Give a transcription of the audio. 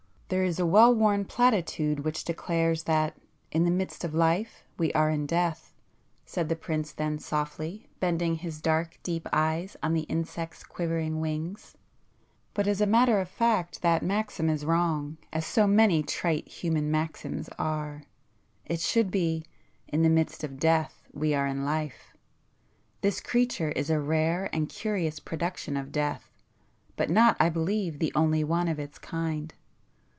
"There is a well worn platitude which declares that 'in the midst of life we are in death'"—said the prince then softly, bending his dark deep eyes on the insect's quivering wings—"But as a matter of fact that maxim is wrong as so many trite [p 56] human maxims are. It should be 'in the midst of death we are in life.' This creature is a rare and curious production of death, but not I believe the only one of its kind.